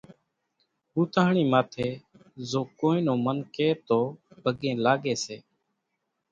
ھوتاۿڻي ماٿي زو ڪونئين نون من ڪي تو پڳي لاڳي سي